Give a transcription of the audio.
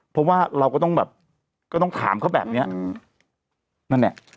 เพราะว่าเราก็ต้องแบบก็ต้องถามเขาแบบนี้นั่นแหละ